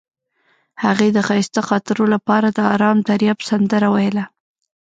هغې د ښایسته خاطرو لپاره د آرام دریاب سندره ویله.